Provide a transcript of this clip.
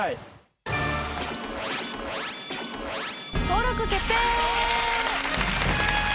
登録決定！